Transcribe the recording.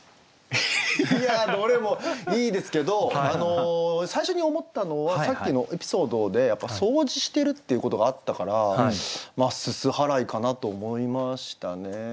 いやどれもいいですけど最初に思ったのはさっきのエピソードで掃除してるっていうことがあったから「煤払」かなと思いましたね。